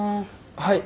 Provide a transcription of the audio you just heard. はい。